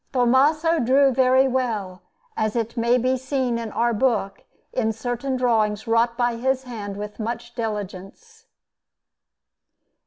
Tommaso drew very well, as it may be seen in our book, in certain drawings wrought by his hand with much diligence.